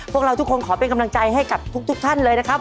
พวกเราทุกคนขอเป็นกำลังใจให้กับทุกท่านเลยนะครับ